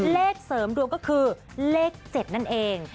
เลขเสริมดวงก็คือเลข๗นั่นเอง